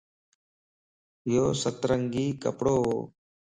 يوسترنگي ڪپڙووَ